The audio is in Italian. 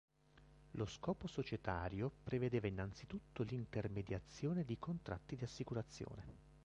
Lo scopo societario prevedeva innanzitutto l’intermediazione di contratti di assicurazione.